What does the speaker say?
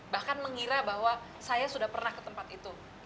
bahkan mengira bahwa saya sudah pernah ke tempat itu